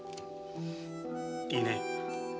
いいね？